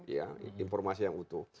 ya informasi yang utuh